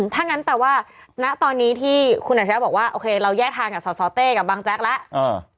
ถ้างั้นแปลว่าณตอนนี้ที่คุณอัจฉริยะบอกว่าโอเคเราแยกทางกับสสเต้กับบางแจ๊กแล้ว